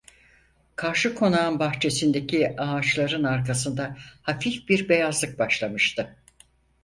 Karşı konağın bahçesindeki ağaçların arkasında hafif bir beyazlık başlamıştı.